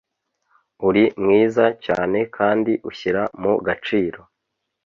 uri mwiza cyane kandi ushyira mu gaciro.